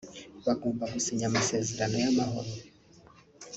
Bagomba gusinya amasezerano y’amahoro